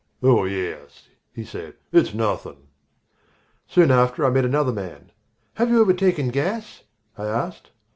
"Oh, yes," he said; "it's nothing." Soon after I met another man. "Have you ever taken gas?" I asked.